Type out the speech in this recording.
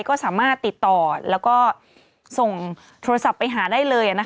ก็สามารถติดต่อแล้วก็ส่งโทรศัพท์ไปหาได้เลย